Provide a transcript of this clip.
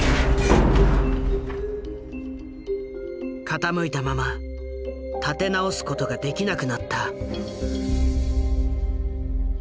傾いたまま立て直すことができなくなった。